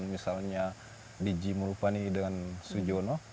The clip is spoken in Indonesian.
misalnya diji murupani dan sujiono